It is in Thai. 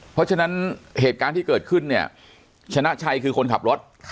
เพราะฉะนั้นเหตุการณ์ที่เกิดขึ้นเนี่ยชนะชัยคือคนขับรถ